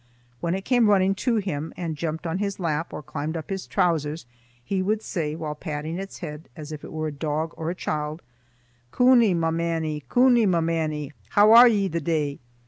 When it came running to him and jumped on his lap or climbed up his trousers, he would say, while patting its head as if it were a dog or a child, "Coonie, ma mannie, Coonie, ma mannie, hoo are ye the day?